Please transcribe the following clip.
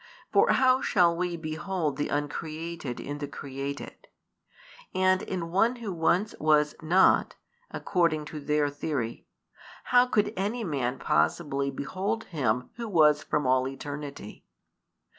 For how shall we behold the Uncreated in the created? And in one who once was not (according to their theory), how could any man possibly behold Him Who was from all eternity?